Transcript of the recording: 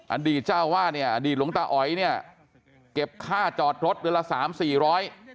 อดีตเจ้าวาดเนี่ยอดีตหลวงตาอ๋อยเนี่ยเก็บค่าจอดรถเดือนละสามสี่ร้อย